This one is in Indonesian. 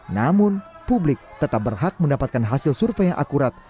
namun publik tetap berhak mendapatkan hasil survei yang akurat